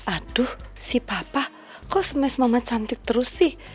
aduh si papa kok smes mama cantik terus sih